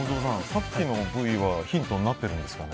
さっきのＶはヒントになってるんですか？